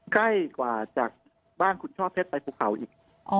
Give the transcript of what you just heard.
ใกล้กว่าจากบ้านคุณช่อเพชรไปภูเขาอีก